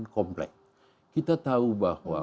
komplek kita tahu bahwa